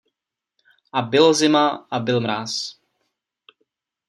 A bylo zima a byl mráz.